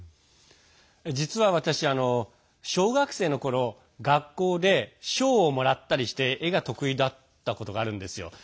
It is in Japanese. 実は私、小学生のころ学校で賞をもらったりして絵が得意だったことがあるんですよ。